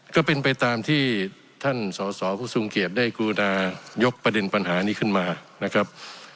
ก็เป็นไปตามที่ท่านสอสอผู้ทรงเกียจได้กรุณายกประเด็นปัญหานี้ขึ้นมานะครับ